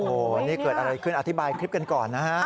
โอ้โหนี่เกิดอะไรขึ้นอธิบายคลิปกันก่อนนะฮะ